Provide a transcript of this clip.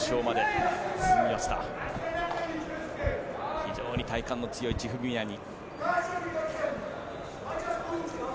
非常に体幹の強いチフビミアニ。